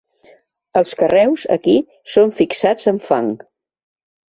Els carreus, aquí, són fixats amb fang.